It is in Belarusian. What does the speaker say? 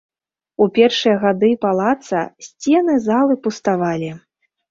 У першыя гады палаца, сцены залы пуставалі.